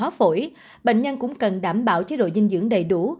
trong khám hồ hấp bệnh nhân cũng cần đảm bảo chế độ dinh dưỡng đầy đủ